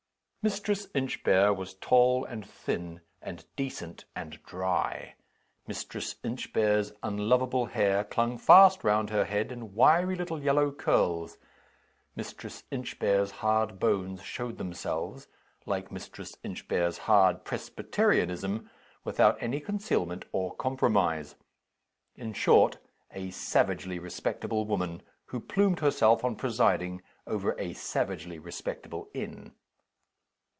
Mistress Inchbare was tall and thin, and decent and dry. Mistress Inchbare's unlovable hair clung fast round her head in wiry little yellow curls. Mistress Inchbare's hard bones showed themselves, like Mistress Inchbare's hard Presbyterianism, without any concealment or compromise. In short, a savagely respectable woman who plumed herself on presiding over a savagely respectable inn.